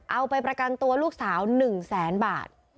เอาไปประกันตัวลูกสาว๑แสนบาท